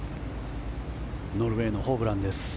ノルウェーのホブランです。